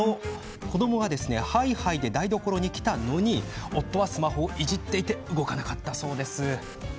子どもがハイハイで台所に来たのに夫はスマホをいじっていて動かなかったそうです。